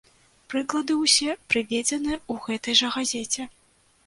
Прыклады ўсе прыведзеныя ў гэтай жа газеце.